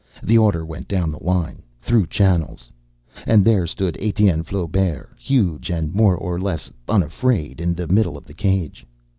The order went down the line. Through channels. And there stood Etienne Flaubert, huge and more or less unafraid, in the middle of the cage.